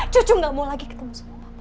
cucu gak mau lagi ketemu sama bapak